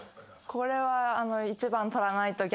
これは。